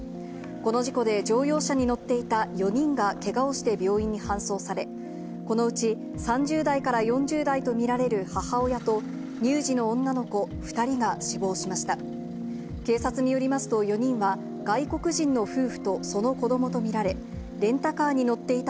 この事故で乗用車に乗っていた４人がけがをして病院に搬送され、このうち３０代から４０代と見られる母親と、乳児の女の子２人が死亡しました。